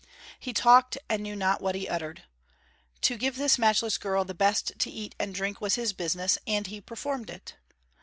He talked, and knew not what he uttered. To give this matchless girl the best to eat and drink was his business, and he performed it.